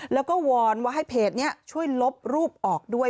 แล้วก็วอนว่าให้เพจนี้ช่วยลบรูปออกด้วย